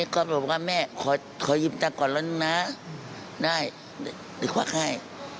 ก็เลยทะเลาะกัน